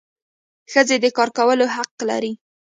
ښځي د کار کولو حق لري.